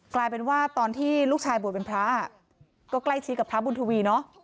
กลายเป็นว่าตอนที่ลูกชายบวชเป็นพระก็ใกล้ชิดกับพระบุญทวีเนอะ